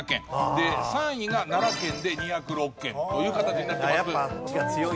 で３位が奈良県で２０６件という形になってます。